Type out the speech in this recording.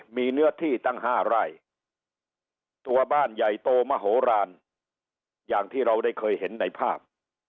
มีเนื้อที่ตั้ง๕ไร่ตัวบ้านใหญ่โตมโหลานอย่างที่เราได้เคยเห็นในภาพ